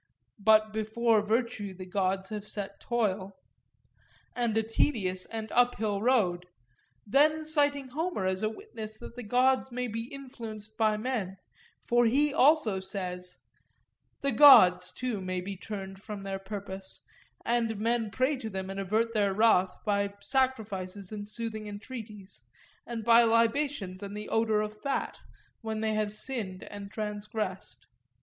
But before virtue the gods have set toil,' and a tedious and uphill road: then citing Homer as a witness that the gods may be influenced by men; for he also says:— 'The gods, too, may be turned from their purpose; and men pray to them and avert their wrath by sacrifices and soothing entreaties, and by libations and the odour of fat, when they have sinned and transgressed.